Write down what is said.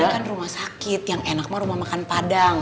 ini kan rumah sakit yang enak mah rumah makan padang